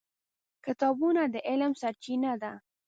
کتابونه د علم سرچینه ده.